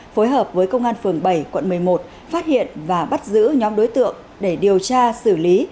phối hợp với công an phường bảy quận một mươi một phát hiện và bắt giữ nhóm đối tượng để điều tra xử lý